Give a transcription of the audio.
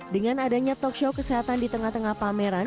dengan adanya talk show kesehatan di tengah tengah pameran